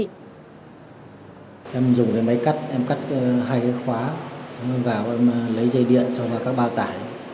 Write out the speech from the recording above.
em dùng cái máy cắt em cắt hai cái khóa xong em vào em lấy dây điện cho vào các bao tải